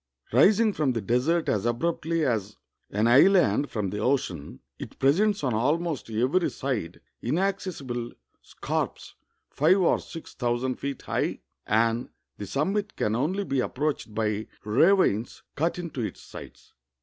Rising from the desert as abruptly as an island from the ocean, it presents on almost every side inac cessible scarps five or sLx thousand feet high, and the sum mit can only be approached by ravines cut into its sides.